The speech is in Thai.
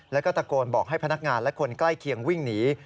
แล้วก็ตะโกนบอกให้พนักงานและคนใกล้เคียงวิ่งหนี